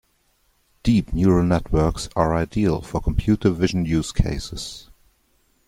Deep Neural Networks are ideal for computer vision use cases.